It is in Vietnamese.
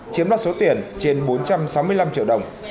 chiếm đoạt số tiền trên bốn trăm sáu mươi năm triệu đồng